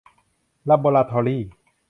ลาโบราทอรี่